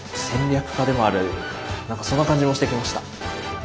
何かそんな感じもしてきました。